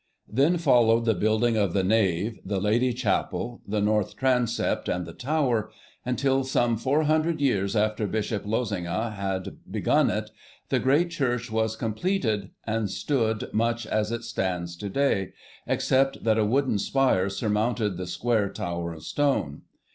Then followed the building of the nave, the Lady chapel, the north transept, and the tower, until, some four hundred years after Bishop Losinga had begun it, the great church was completed, and stood much as it stands to day, except that a wooden spire surmounted the square tower of stone.